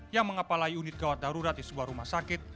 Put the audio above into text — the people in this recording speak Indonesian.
yang mengapalai unit gawat darurat di sebuah rumah sakit